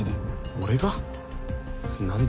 俺が？何で？